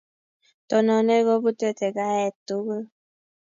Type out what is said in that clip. Tononet kobute tekgaet tugul